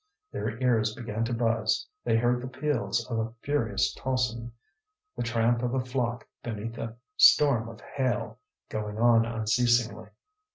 Their ears began to buzz, they heard the peals of a furious tocsin, the tramp of a flock beneath a storm of hail, going on unceasingly.